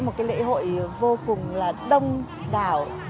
một cái lễ hội vô cùng là đông đảo